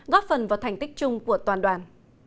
góp phần vào thành tích chung của toàn đoàn